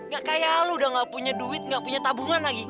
gak kayak lo udah gak punya duit gak punya tabungan lagi